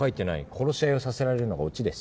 殺し合いをさせられるのがオチです。